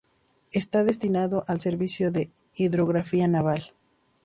Está destinado al "Servicio de Hidrografía Naval".